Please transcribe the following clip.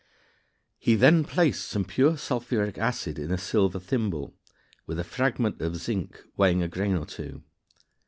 He then placed some pure sulfuric acid in a silver thimble, with a fragment of zinc weighing a grain or two.